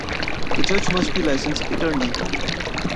The Judge must be a licensed attorney.